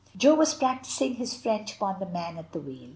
Jo was practising his French upon the man at the wheel.